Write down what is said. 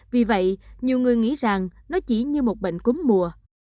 vì vậy nhiều người nghĩ rằng nó chỉ như một bệnh cúm mùa